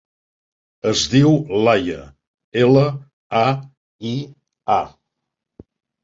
Es diu Laia: ela, a, i, a.